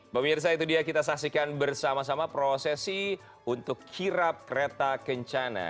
pemirsa itu dia kita saksikan bersama sama prosesi untuk kirap kereta kencana